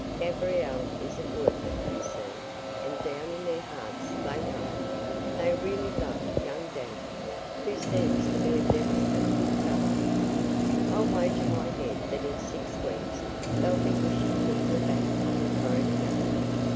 Gabriel isn't worth it, you see, and down in their hearts they know it. They really loved young Dantan, who seems to be a devil of a good fellow. I'll wager my head that in six weeks they'll be wishing he were back on the throne again.